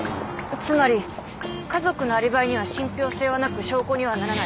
つまり家族のアリバイには信ぴょう性はなく証拠にはならない。